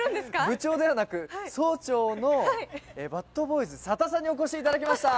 部長ではなく総長のバッドボーイズ・佐田さんにお越しいただきました